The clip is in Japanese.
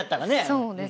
そうですね。